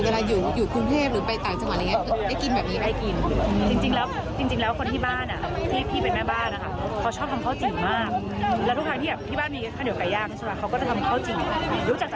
สรรคาเขาก็ทำได้ใช้ได้เหมือนกันแต่ไม่เห็นแบบอีก